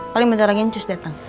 paling bentar lagi uncus datang